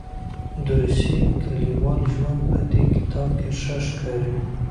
د روسیې کلیوال ژوند په دې کتاب کې ښه ښکاري.